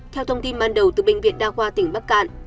theo thông tin ban đầu từ bệnh viện đa khoa tỉnh bắc cạn